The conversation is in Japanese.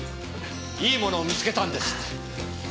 いい物を見つけたんです。